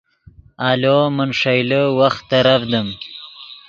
آلو من ݰئیلے وخت ترڤدیم